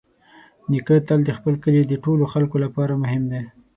نیکه تل د خپل کلي د ټولو خلکو لپاره مهم دی.